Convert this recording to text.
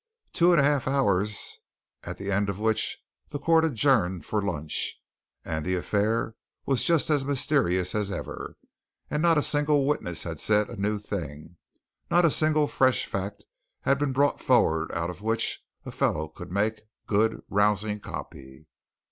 Two and a half hours, at the end of which the court adjourned for lunch and the affair was just as mysterious as ever, and not a single witness had said a new thing, not a single fresh fact had been brought forward out of which a fellow could make good, rousing copy!